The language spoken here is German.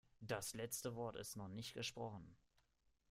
Das letzte Wort ist noch nicht gesprochen.